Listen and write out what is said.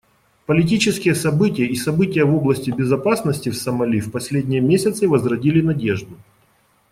Политические события и события в области безопасности в Сомали в последние месяцы возродили надежду.